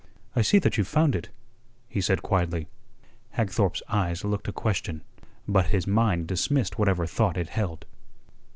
"I see that you've found it," he said quietly. Hagthorpe's eyes looked a question. But his mind dismissed whatever thought it held.